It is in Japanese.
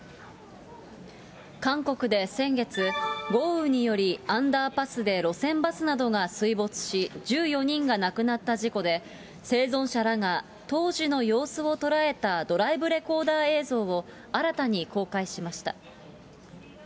韓国で先月、豪雨によりアンダーパスで路線バスなどが水没し、１４人が亡くなった事故で、生存者らが当時の様子を捉えたドライブレコーダー映像を、新たに公開しました。